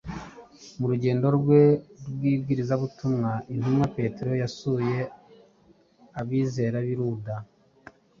Mu rugendo rwe rw’ibwirizabutumwa, intumwa Petero yasuye abizera b’i Luda.